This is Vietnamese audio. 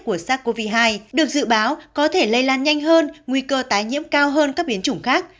của sars cov hai được dự báo có thể lây lan nhanh hơn nguy cơ tái nhiễm cao hơn các biến chủng khác